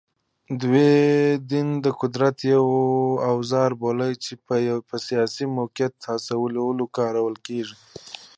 دوی دین د قدرت یو اوزار بولي چې په سیاسي موقف حاصلولو کارول کېږي